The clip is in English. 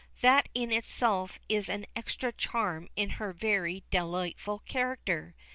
That in itself is an extra charm in her very delightful character.